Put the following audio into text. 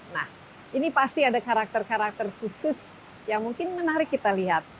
nah ini pasti ada karakter karakter khusus yang mungkin menarik kita lihat